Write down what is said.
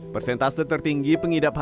persentase tertinggi pengidap hiv